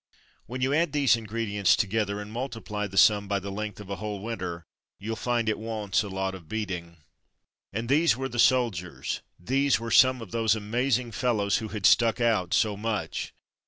When you add those ingredients together and multiply the sum by the length of a whole winter — you'll find it wants a lot of beating. And these were the soldiers, these were some of those amazing fellows who had "stuck out" so much.